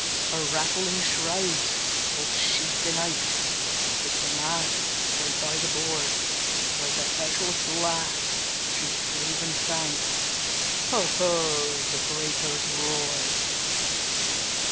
Her rattling shrouds, all sheathed in ice, With the masts went by the board; Like a vessel of glass, she stove and sank, Ho! ho! the breakers roared!